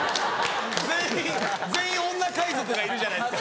全員全員女海賊がいるじゃないですか。